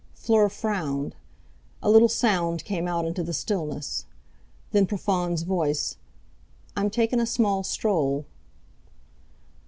Fleur frowned. A little sound came out into the stillness. Then Profond's voice: "I'm takin' a small stroll."